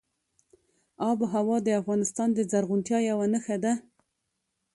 آب وهوا د افغانستان د زرغونتیا یوه نښه ده.